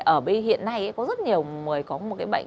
ở bây hiện nay có rất nhiều người có một cái bệnh